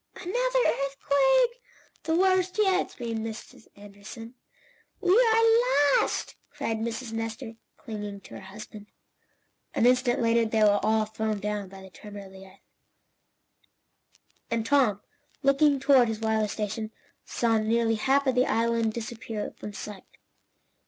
"Another earthquake! The worst yet!" screamed Mrs. Anderson. "We are lost!" cried Mrs. Nestor, clinging to her husband. An instant later they were all thrown down by the tremor of the earth, and Tom, looking toward his wireless station, saw nearly half of the island disappear from sight.